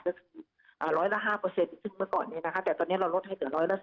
ก็คือ๑๐๐ละ๕ซึ่งเมื่อก่อนนี้แต่ตอนนี้เราลดให้เกือบ๑๐๐ละ๑๐